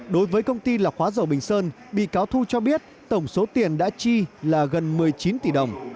đối với công ty là khóa dầu bình sơn bị cáo thu cho biết tổng số tiền đã chi là gần một mươi chín tỷ đồng